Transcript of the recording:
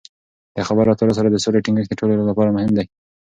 د خبرو اترو سره د سولې ټینګښت د ټولو لپاره مهم دی.